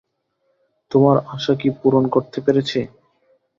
তোমার আশা কি পূরণ করতে পেরেছি?